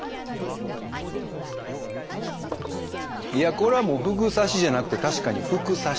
いやこれはもう「ふぐ刺し」じゃなくて確かに「ふく刺し」。